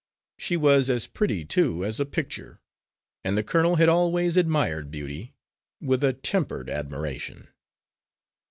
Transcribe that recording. She was as pretty, too, as a picture, and the colonel had always admired beauty with a tempered admiration.